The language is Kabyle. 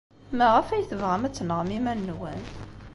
Maɣef ay tebɣam ad tenɣem iman-nwen?